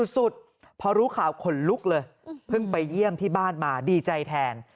สุดพอรู้ข่าวขนลุกเลยเพิ่งไปเยี่ยมที่บ้านมาดีใจแทน